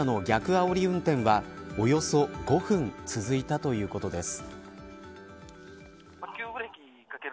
あおり運転はおよそ５分続いたということです。